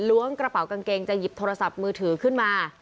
กระเป๋ากางเกงจะหยิบโทรศัพท์มือถือขึ้นมา